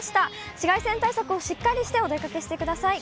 紫外線対策をしっかりしてお出かけしてください。